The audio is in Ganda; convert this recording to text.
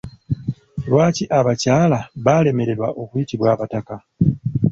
Lwaki abakyala baalemererwa okuyitibwa abataka?